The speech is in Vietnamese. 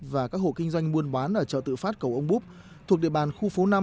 và các hộ kinh doanh buôn bán ở chợ tự phát cầu ông búp thuộc địa bàn khu phố năm